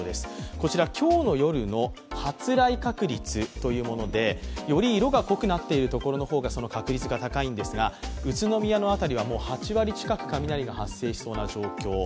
こちら、今日の夜の発雷確率というもので、より色が濃くなっている所の方が確率が高いんですが宇都宮の辺りはもう８割近く雷が発生しそうな状況。